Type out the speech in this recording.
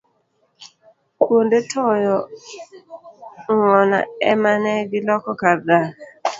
Kuonde toyo ng'ona emane giloko kar dak.